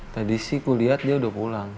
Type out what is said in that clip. tadi sih aku liat dia udah pulang